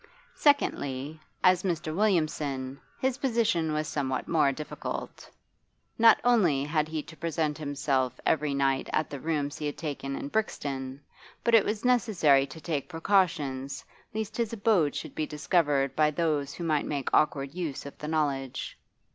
Secondly, as Mr. Williamson his position was somewhat more difficult. Not only had he to present himself every night at the rooms he had taken in Brixton, but it was necessary to take precautions lest his abode should be discovered by those who might make awkward use of the knowledge.